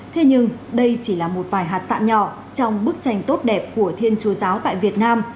thế nhưng đây chỉ là một vài hạt sạn nhỏ trong bức tranh tốt đẹp của thiên chúa giáo tại việt nam